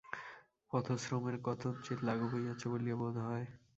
পথশ্রমের কথঞ্চিৎ লাঘব হইয়াছে বলিয়া বোধ হয়।